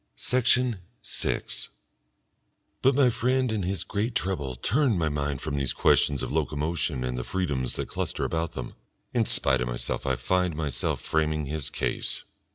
Section 6 But my friend and his great trouble turn my mind from these questions of locomotion and the freedoms that cluster about them. In spite of myself I find myself framing his case.